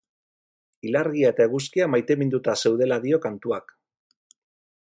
Ilargia eta eguzkia maiteminduta zeudela dio kantuak.